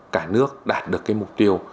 cả nước đạt được mục tiêu